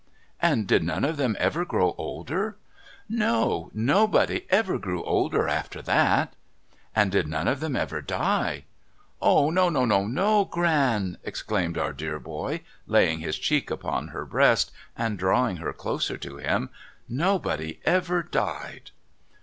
' And did none of them ever grow older ?'' No ! Nobody ever grew older after that.' ' And did none of them ever die ?'' O, no, no, no. Gran !' exclaimed our dear boy, laying his cheek upon her breast, and drawing her closer to him. ' Nobody ever died.'